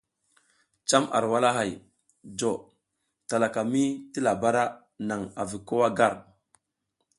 Cam ar walahay jo talami ti labara naŋ avi ko wa gar.